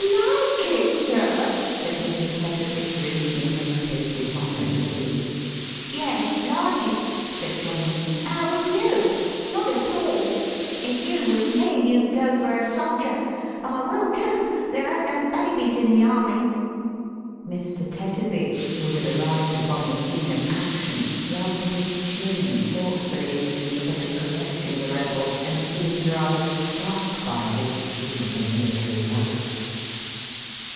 "Like it, sir!" said Mi's. Tetterby, relieving him of his dishonoured load. " Yes, like it," said Johnny. " How would you ? Not at all. If you was me, you'd go for a soldier. I will, too. There an't no babies in the army." Mr. Tetterby, who had arrived upon the scene of action, rubbed his chin thoughtfully, instead of correcting the rebel, and seemed rather struck by this view of a military life.